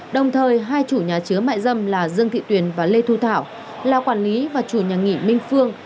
đồng thời hai chủ nhà chứa mại dâm là dương thị tuyền và lê thu thảo là quản lý và chủ nhà nghỉ minh phương